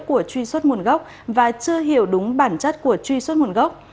của truy xuất nguồn gốc và chưa hiểu đúng bản chất của truy xuất nguồn gốc